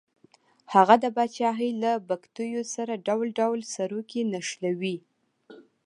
هغه د پاچاهۍ له بګتیو سره ډول ډول سروکي نښلوي.